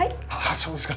そうですか。